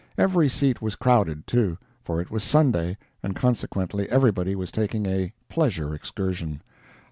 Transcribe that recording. Every seat was crowded, too; for it was Sunday, and consequently everybody was taking a "pleasure" excursion.